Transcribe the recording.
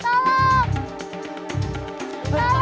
salah anaknya kawan doang